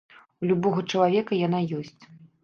У любога чалавека яна ёсць.